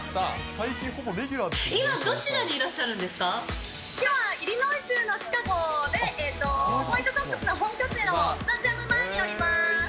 今、どちらにいらっしゃるんです今、イリノイ州のシカゴで、ホワイトソックスの本拠地のスタジアム前におります。